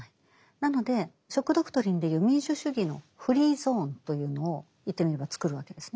なので「ショック・ドクトリン」でいう民主主義のフリーゾーンというのを言ってみれば作るわけですね。